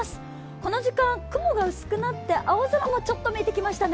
この時間雲が薄くなって青空もちょっと見えてきましたね。